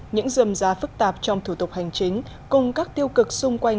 những dùm giá phức tạp trong thủ tục hành chính cùng các tiêu cực xung quanh